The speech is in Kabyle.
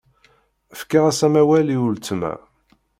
Fkiɣ-as amawal i uletma.